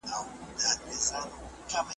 زه پرون پاکوالي وساته.